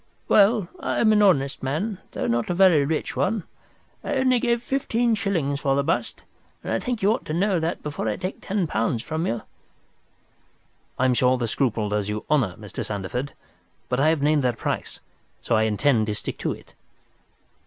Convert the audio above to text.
"Well, I am an honest man, though not a very rich one. I only gave fifteen shillings for the bust, and I think you ought to know that before I take ten pounds from you. "I am sure the scruple does you honour, Mr. Sandeford. But I have named that price, so I intend to stick to it."